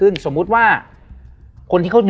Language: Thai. เพื่อที่จะให้แก้วเนี่ยหลอกลวงเค